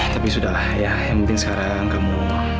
tapi sudah lah ya yang penting sekarang kamu